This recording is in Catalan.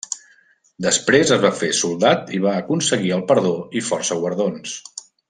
Després es va fer soldat i va aconseguir el perdó i força guardons.